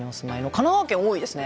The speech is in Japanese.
神奈川県多いですね。